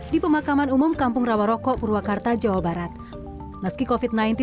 di pemakaman umum kampung rawarokok purwakarta jawa barat meski kofit sembilan belas